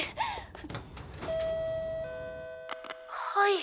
はい？